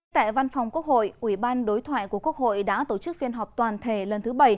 tại văn phòng quốc hội ủy ban đối thoại của quốc hội đã tổ chức phiên họp toàn thể lần thứ bảy